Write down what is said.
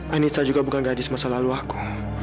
anissa juga bukan gadis masa lalu aku